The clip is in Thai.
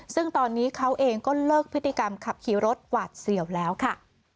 ซึ่งตอนนี้เขาเองก็เลิกพฤติกรรมขับขี่รถหวาดเสี่ยวแล้วค่ะ